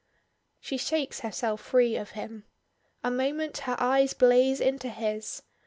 _" She shakes herself free of him. A moment her eyes blaze into his.